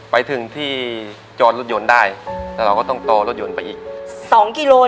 ในแคมเปญพิเศษเกมต่อชีวิตโรงเรียนของหนู